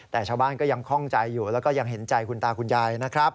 แต่ชาวบ้านก็ยังคล่องใจอยู่แล้วก็ยังเห็นใจคุณตาคุณยายนะครับ